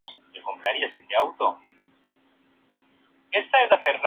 Falleció a consecuencia de una neumonía.